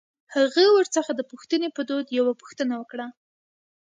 هغه ورڅخه د پوښتنې په دود يوه پوښتنه وکړه.